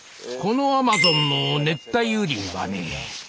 このアマゾンの熱帯雨林はね。